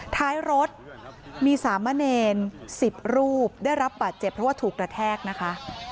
ท้ายรถมีสามเณร๑๐รูปได้รับบาดเจ็บเพราะว่าถูกกระแทกนะคะ